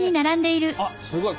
あっすごい。